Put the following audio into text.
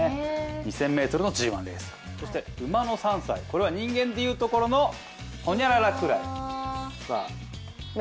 ２０００ｍのＧⅠレースそして馬の３歳これは人間でいうところの○○くらいさあ